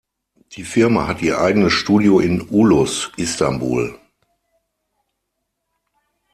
Die Firma hat ihr eigenes Studio in Ulus, Istanbul.